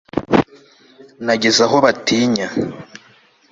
nageze aho bantinya